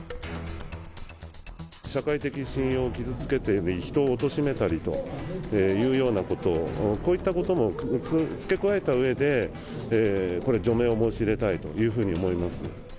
社会的信用を傷つけて、人をおとしめたりというようなこと、こういったことも付け加えたうえで、これ、除名を申し入れたいというふうに思います。